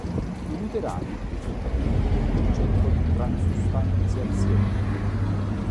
I luterani rifiutano dunque il concetto di transustanziazione.